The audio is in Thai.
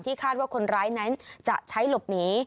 คาดว่าคนร้ายนั้นจะใช้หลบหนี